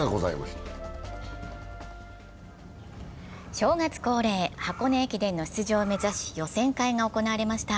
正月恒例、箱根駅伝の出場を目指し予選会が行われました。